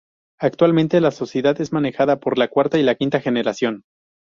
Actualmente la sociedad es manejada por la cuarta y quinta generación.